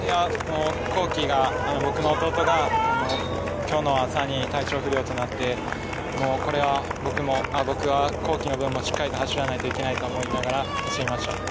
己、僕の弟が今日の朝に体調不良となってこれは、僕は昂己の分もしっかり走らないといけないと思いながら走りました。